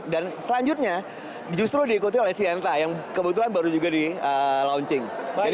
dan selanjutnya justru diikuti oleh sienta yang kebetulan baru juga di launching